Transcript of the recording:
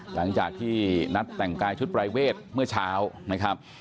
หลังจากที่นัดแต่งกายชุดปรายเวทเมื่อเช้านะครับ